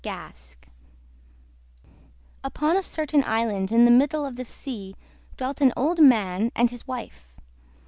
Gask Upon a certain island in the middle of the sea dwelt an old man and his wife.